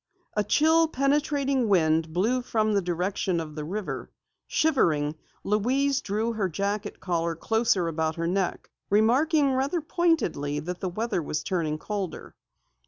A chill, penetrating wind blew from the direction of the river. Shivering, Louise drew her jacket collar closer about her neck, remarking rather pointedly that the weather was turning colder.